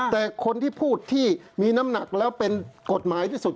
แต่คนที่พูดที่มีน้ำหนักแล้วเป็นกฎหมายที่สุด